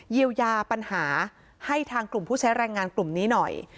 เยียวยาปัญหาให้ทางกลุ่มผู้ใช้แรงงานกลุ่มนี้หน่อย